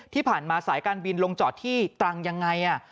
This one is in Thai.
ที่ผ่านมาสายการบินลงจอดที่ตรังยังไง